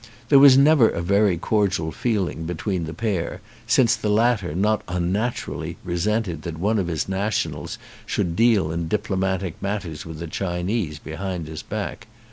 There was never a very cordial feeling between the pair, since the latter not unnaturally resented that one of his nationals should deal in diplomatic matters with the Chinese behind his back.